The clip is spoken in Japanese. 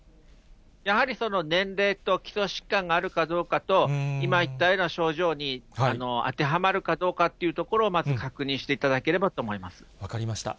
やはり年齢と基礎疾患があるかどうかと、今言ったような症状に当てはまるかどうかというところを、まず確分かりました。